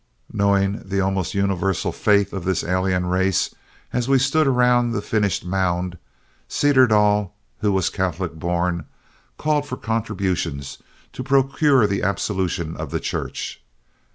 Knowing the almost universal faith of this alien race, as we stood around the finished mound, Cederdall, who was Catholic born, called for contributions to procure the absolution of the Church.